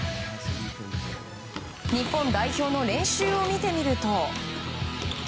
日本代表の練習を見てみると。